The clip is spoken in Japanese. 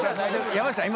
山内さん